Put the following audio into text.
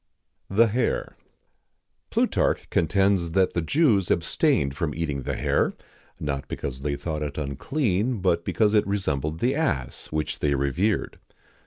SONNINI. THE HARE. Plutarch contends that the Jews abstained from eating the hare, not because they thought it unclean, but because it resembled the ass, which they revered.